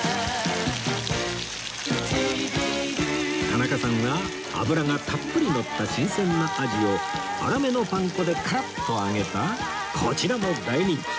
田中さんは脂がたっぷりのった新鮮なアジを粗めのパン粉でカラッと揚げたこちらも大人気！